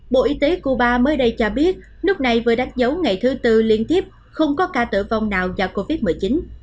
bộ y tế cuba mới đây cho biết nước này vừa đánh dấu ngày thứ tư liên tiếp không có ca tử vong nào do covid một mươi chín